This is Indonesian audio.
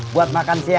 buat makan siangnya